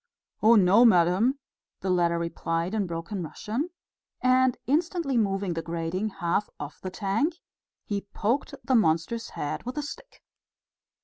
"Oh, no, madam," the latter replied in broken Russian; and instantly moving the grating half off the tank, he poked the monster's head with a stick.